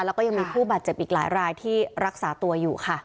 แล้วก็ยังมีผู้บาดเจ็บอีกหลายรายที่รักษาตัวอยู่ค่ะ